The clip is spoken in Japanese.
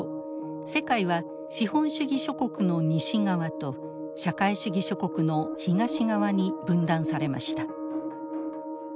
世界は資本主義諸国の「西側」と社会主義諸国の「東側」に分断されました。